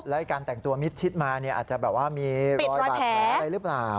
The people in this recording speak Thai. และการแต่งตัวมิดชิดมาเนี่ยอาจจะแบบว่ามีรอยบาดแผลอะไรหรือเปล่า